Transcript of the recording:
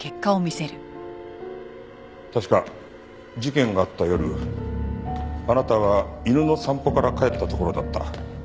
確か事件があった夜あなたは犬の散歩から帰ったところだった。